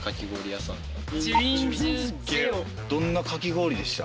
どんなかき氷でした？